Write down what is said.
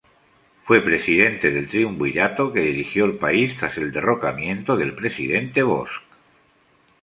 Fue Presidente del Triunvirato que dirigió el país tras el derrocamiento del presidente Bosch.